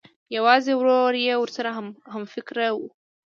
یوازې ورور یې ورسره همفکره و